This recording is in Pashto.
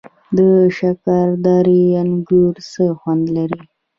د شکردرې انګور څه خوند لري؟